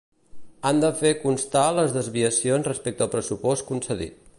Han de fer constar les desviacions respecte al pressupost concedit.